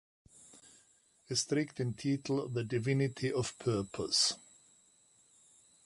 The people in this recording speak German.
Es trägt den Titel "The Divinity of Purpose".